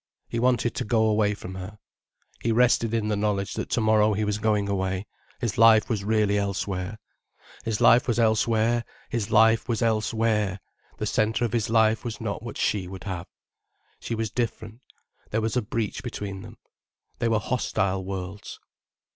He wanted to go away from her. He rested in the knowledge that to morrow he was going away, his life was really elsewhere. His life was elsewhere—his life was elsewhere—the centre of his life was not what she would have. She was different—there was a breach between them. They were hostile worlds.